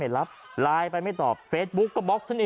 กลับมาพร้อมขอบความ